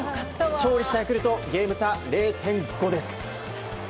勝利したヤクルトゲーム差０．５です。